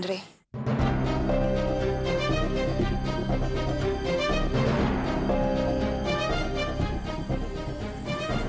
tertump resembles seluruh kameveryreda